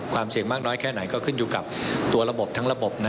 เสี่ยงมากน้อยแค่ไหนก็ขึ้นอยู่กับตัวระบบทั้งระบบ